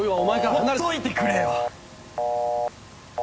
ほっといてくれよ！